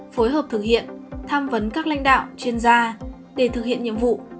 phối hợp thực hiện tham vấn các lãnh đạo chuyên gia để thực hiện nhiệm vụ